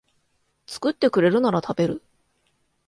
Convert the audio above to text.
作ってくれるなら食べる